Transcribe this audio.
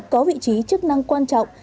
có vị trí chức năng quan trọng